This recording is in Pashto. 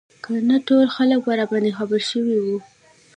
که نه ټول خلک به راباندې خبر شوي وو.